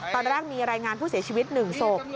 ตอนแรกมีรายงานผู้เสียชีวิต๑ศพ